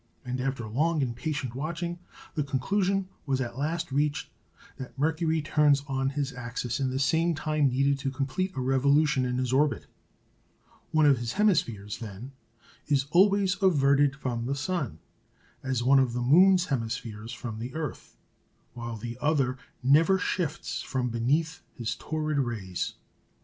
And after long and patient watching, the conclusion was at last reached that Mercury turns on his axis in the same time needed to complete a revolution in his orbit. One of his hemispheres, then, is always averted from the sun, as one of the moon's hemispheres from the earth, while the other never shifts from beneath his torrid rays.